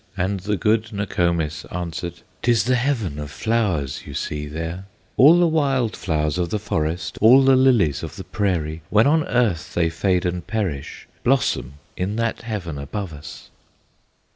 And the good Nokomis answered: "'T is the heaven of flowers you see there; All the wild flowers of the forest, All the lilies of the prairie, When on earth they fade and perish, Blossom in that heaven above us."